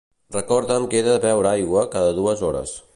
Recorda'm que he de beure aigua cada dues hores.